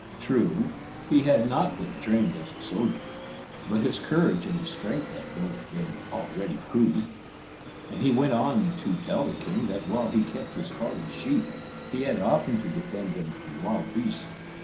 True, he had not been trained as a soldier, but his courage and his strength had both been already proved. And he went on to tell the king that while he kept his father's sheep he had often to defend them from wild beasts.